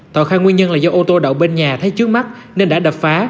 tàu khai nguyên nhân là do ô tô đậu bên nhà thấy trước mắt nên đã đập phá